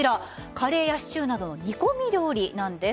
カレーやシチューなどの煮込み料理なんです。